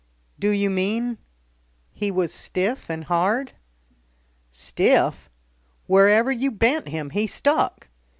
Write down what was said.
"Do you mean he was stiff and hard?" "Stiff! wherever you bent him he stuck.